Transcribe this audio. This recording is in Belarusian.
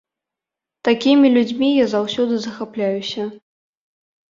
Такімі людзьмі я заўсёды захапляюся.